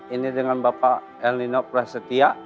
ini dengan bapak elinor prasetya